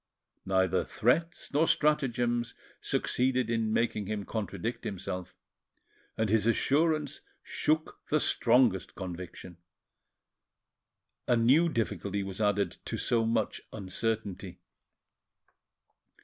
Neither threats nor stratagems succeeded in making him contradict himself, and his assurance shook the strongest conviction. A new difficulty was added to so much uncertainty.